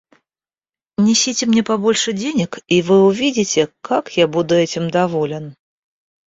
Несите мне побольше денег, и вы увидите, как я буду этим доволен.